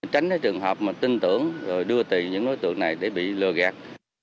tránh trường hợp mà tin tưởng rồi đưa tiền những đối tượng này để bị lừa gạt